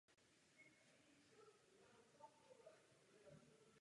Jednopatrová zámecká budova má obdélný půdorys a mansardovou střechu.